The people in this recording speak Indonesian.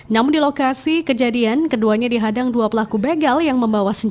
namun di lokasi kejadian keduanya dihadang dua pelaku begal yang membawa senjata